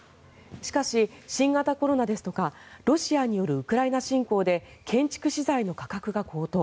しかし、新型コロナですとかロシアによるウクライナ侵攻で建築資材の価格が高騰。